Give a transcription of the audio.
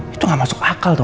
itu gak masuk akal tau gak